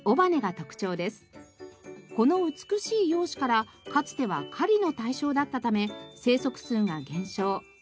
この美しい容姿からかつては狩りの対象だったため生息数が減少。